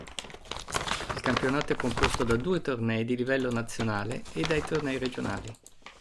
Il campionato è composto da due tornei di livello nazionale e dai tornei regionali.